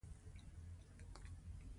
هغوی د واک د بنسټ برخه وه.